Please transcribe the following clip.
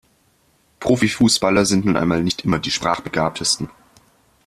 Profi-Fußballer sind nun einmal nicht immer die Sprachbegabtesten.